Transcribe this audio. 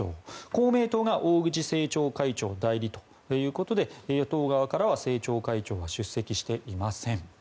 公明党が大口政調会長代理ということで与党側からは政調会長は出席していません。